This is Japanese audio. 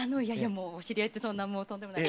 お知り合いってそんなもうとんでもない。